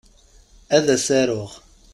Ad as-aruɣ.